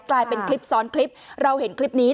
กลายเป็นคลิปซ้อนคลิปเราเห็นคลิปนี้